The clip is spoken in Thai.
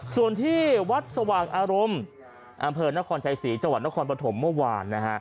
ส่วนที่วัดสว่างอารมณ์อำเภอนครชัยศรีจังหวัดนครปฐมเมื่อวานนะฮะ